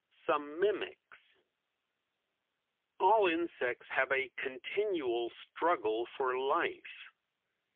SOME MIMICS All insects have a continual struggle for life.